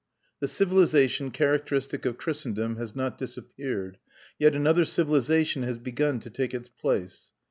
The civilisation characteristic of Christendom has not disappeared, yet another civilisation has begun to take its place.